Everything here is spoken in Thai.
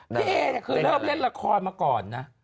พี่เอเคยเลิฟเล่นละครมาก่อนนะ